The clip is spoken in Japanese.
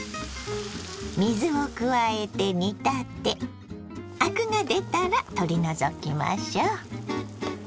水を加えて煮立てアクが出たら取り除きましょ。